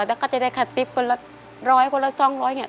แล้วก็จะได้กระติ๊บคนละร้อยคนละสองร้อยเนี่ย